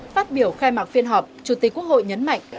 phát biểu khai mạc phiên họp chủ tịch quốc hội nhấn mạnh